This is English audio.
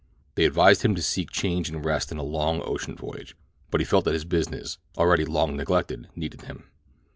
They advised him to seek change and rest in a long ocean voyage; but he felt that his business, already long neglected, needed him.